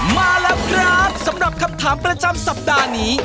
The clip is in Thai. มาแล้วครับสำหรับคำถามประจำสัปดาห์นี้